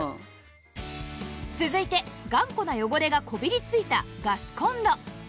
続いて頑固な汚れがこびりついたガスコンロ